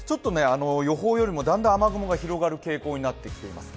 予報よりもだんだん雨雲が広がる傾向になっています。